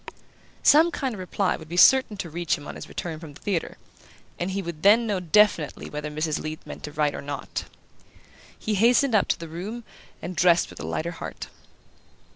Some kind of reply would be certain to reach him on his return from the theatre, and he would then know definitely whether Mrs. Leath meant to write or not. He hastened up to his room and dressed with a lighter heart.